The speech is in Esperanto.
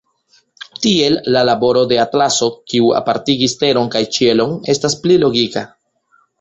Tiel, la laboro de Atlaso, kiu apartigis Teron kaj Ĉielon, estas pli logika.